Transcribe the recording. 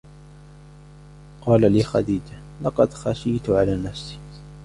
قَالَ لِخَدِيجَةَ: لَقَدْ خَشِيتُ عَلَى نَفْسِي.